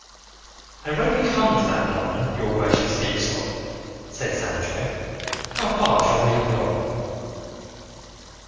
"And when we come to that line your worship speaks of," said Sancho, "how far shall we have gone?"